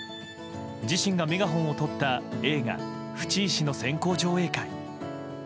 自身がメガホンをとった映画「ふちいし」の先行上映会。